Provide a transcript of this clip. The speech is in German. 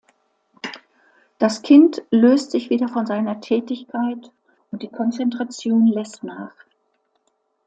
Das Kind löst sich wieder von seiner Tätigkeit und die Konzentration lässt nach.